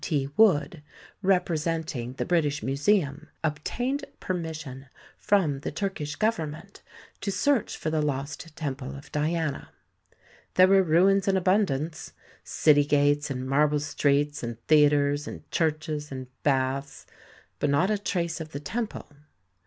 T. Wood, representing the British Museum, obtained permission from the Turkish Government to search for the lost temple of Diana. There were ruins in abundance city gates and marble streets and theatres and churches and baths, but not a trace of the temple.